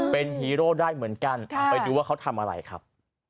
เป็นฮีโร่ได้เหมือนกันไปดูว่าเขาทำอะไรครับ